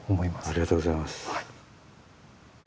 ありがとうございます。